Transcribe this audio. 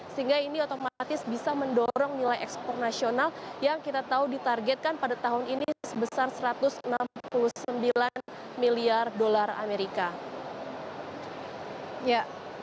sehingga ini otomatis bisa mendorong nilai ekspor nasional yang kita tahu ditargetkan pada tahun ini sebesar satu ratus enam puluh sembilan miliar dolar amerika